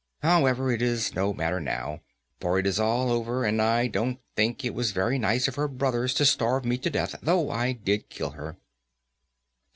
However, it is no matter now, for it is all over, and I don't think it was very nice of her brothers to starve me to death, though I did kill her."